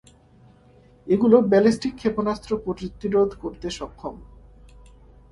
এগুলো ব্যালিস্টিক ক্ষেপণাস্ত্র প্রতিরোধ করতে সক্ষম।